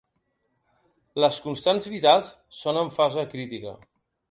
Les constants vitals són en fase crítica.